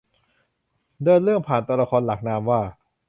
เดินเรื่องผ่านตัวละครหลักนามว่า